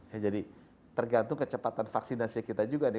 ya jadi tergantung kecepatan vaksinasi kita juga nih